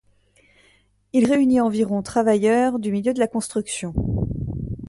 Il réunit environ travailleurs du milieu de la construction.